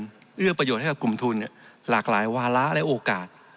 เพื่อเอื้อประโยชน์ให้กับกลุ่มทุนหลากหลายวาระและโอกาส